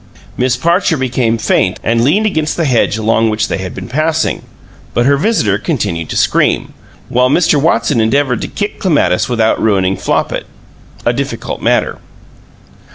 Miss Parcher became faint and leaned against the hedge along which they had been passing, but her visitor continued to scream, while Mr. Watson endeavored to kick Clematis without ruining Flopit a difficult matter.